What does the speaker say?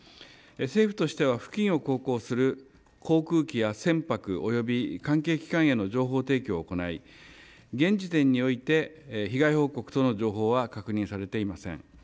政府としては付近を航行する航空機や船舶、および関係機関への情報提供を行い、現時点において、被害報告等の情報は確認されていません。